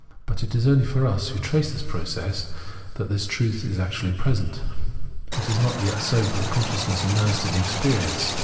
But it is only for us [who trace this process] that this truth is actually present ; it is not yet so for the consciousness immersed in the experience.